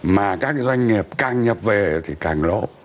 mà các doanh nghiệp càng nhập về thì càng lỗ